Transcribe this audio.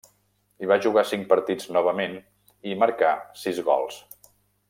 Hi va jugar cinc partits novament, i hi marcà sis gols.